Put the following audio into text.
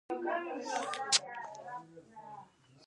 ازادي راډیو د حیوان ساتنه د اغیزو په اړه مقالو لیکلي.